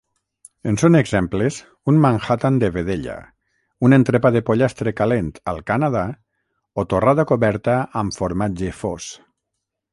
En són exemples un Manhattan de vedella, un entrepà de pollastre calent al Canadà o torrada coberta amb formatge fos.